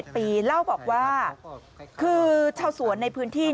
พี่ทำยังไงฮะ